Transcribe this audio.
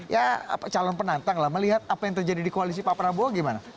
ya calon penantang lah melihat apa yang terjadi di koalisi pak prabowo gimana